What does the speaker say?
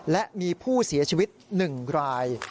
และมีผู้เสียชีวิต๑ราย